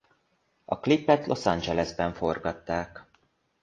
A klipet Los Angelesben forgatták.